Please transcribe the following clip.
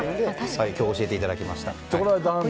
今日教えていただきました。